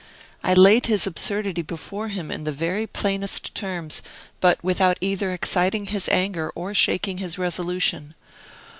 I laid his absurdity before him in the very plainest terms, but without either exciting his anger or shaking his resolution.